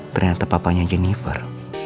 ternyata papanya jennifer